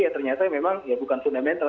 ternyata memang bukan fundamental